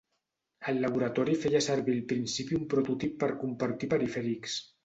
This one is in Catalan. El laboratori feia servir al principi un prototip per compartir perifèrics.